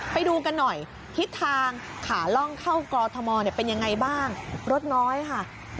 ไปดูกันหน่อยทิศทางขาล่องเข้ากอทมเป็นยังไงบ้างรถน้อยค่ะ